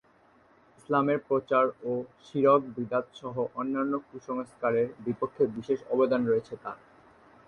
ইসলামের প্রচার ও শিরক-বিদাত সহ অন্যান্য কুসংস্কারের বিপক্ষে বিশেষ অবদান রয়েছে তার।